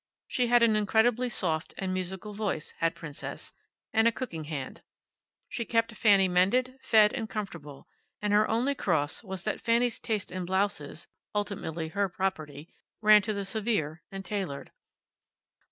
She had an incredibly soft and musical voice, had Princess, and a cooking hand. She kept Fanny mended, fed and comfortable, and her only cross was that Fanny's taste in blouses (ultimately her property) ran to the severe and tailored.